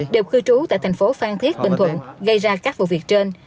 đều cư trú tại thành phố phan thiết bình thuận gây ra các vụ việc trên